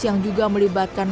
yang juga melibatkan